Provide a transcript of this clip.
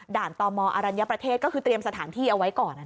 ตมอรัญญประเทศก็คือเตรียมสถานที่เอาไว้ก่อน